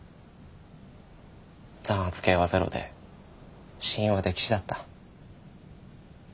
残圧計はゼロで死因は溺死だった。